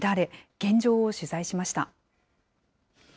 現状を取材しました。